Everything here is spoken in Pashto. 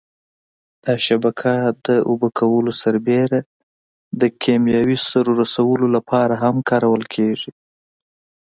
دا شبکه د اوبه کولو سربېره د کېمیاوي سرو رسولو لپاره هم کارول کېږي.